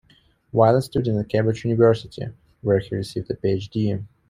While a student at Cambridge University, where he received a PhD.